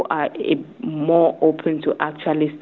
mereka lebih terbuka untuk mulai melihat